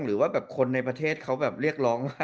ไม่รู้ว่าแบบคนในประเทศเขาเรียกร้อง